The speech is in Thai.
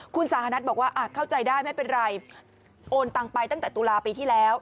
คุณสาธานัทบอกว่าเข้าใจได้ไม่เป็นไรโอนตังไปตั้งแต่ตุลาปีที่แล้ว